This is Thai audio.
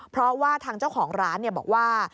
เพราะว่าทางเจ้าของร้านบอกว่า